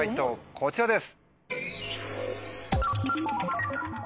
こちらです。